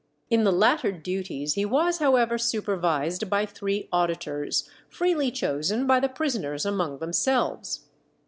In the latter duties he was, however, supervised by three auditors, freely chosen by the prisoners among themselves.